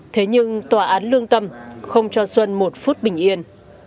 thế nhưng tòa án lương tâm không cho xuân một phút bình yên